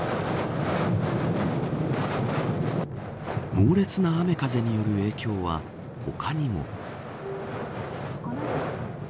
猛烈な雨風による影響は他にも。